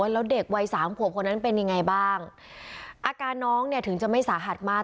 แล้วเด็กวัยสามขวบคนนั้นเป็นยังไงบ้างอาการน้องเนี่ยถึงจะไม่สาหัสมาก